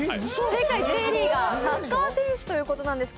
正解Ｊリーガー、サッカー選手ということです。